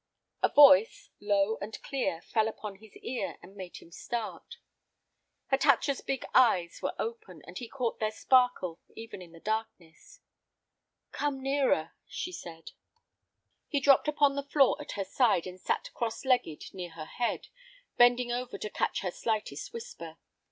A voice, low and clear, fell upon his ear and made him start. Hatatcha's big eyes were open and he caught their sparkle even in the darkness. "Come nearer," she said. He dropped upon the floor at her side and sat cross legged near her head, bending over to catch her slightest whisper.